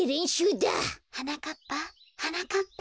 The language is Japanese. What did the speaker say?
・はなかっぱはなかっぱ。